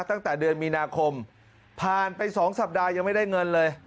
ตั้งแต่เดือนมีนาคมผ่านไป๒สัปดาห์ยังไม่ได้เงินเลย